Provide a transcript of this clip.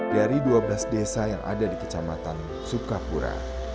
dari dua belas desa yang ada di kecamatan sukapura